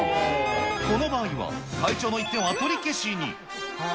この場合は、会長の１点は取り消しに。